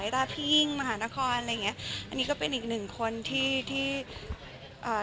ถ้าพี่ยิ่งมหานครอะไรอย่างเงี้ยอันนี้ก็เป็นอีกหนึ่งคนที่ที่อ่า